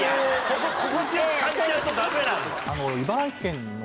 心地よく感じちゃうとダメなんだ。